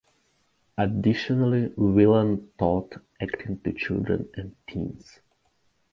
Additionally, Whelan taught acting to children and teens.